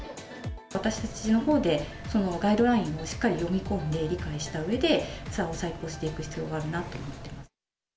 私たちのほうで、そのガイドラインをしっかり読み込んで理解したうえで、ツアーを再考していく必要があるなと思っています。